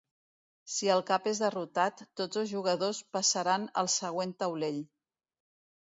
Si el cap és derrotat, tots dos jugadors passaran al següent taulell.